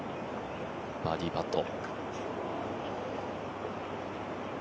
バーディーパット。